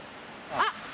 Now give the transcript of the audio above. あっ！